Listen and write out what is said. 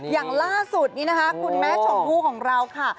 อย่างล่าสุดนี้นะคะคุณแม่ชมพู่ของเราค่ะ